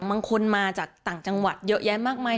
บางคนมาจากต่างจังหวัดเยอะแยะมากมาย